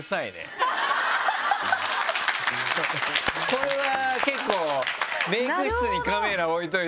これは結構。